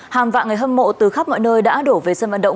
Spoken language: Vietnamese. hàng vạn người hâm mộ từ khắp mọi nơi đã đổ về sân vận động